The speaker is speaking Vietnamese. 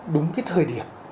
đúng cái thời điểm